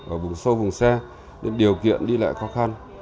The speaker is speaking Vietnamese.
ở vùng sâu vùng xa nên điều kiện đi lại khó khăn